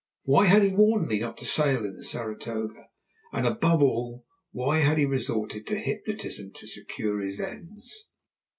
Why had he warned me not to sail in the Saratoga? and, above all, why had he resorted to hypnotism to secure his ends?